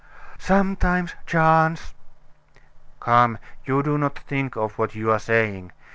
"Sometimes chance " "Come! you do not think of what you are saying.